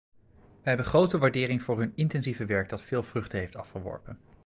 Wij hebben grote waardering voor hun intensieve werk dat veel vruchten heeft afgeworpen.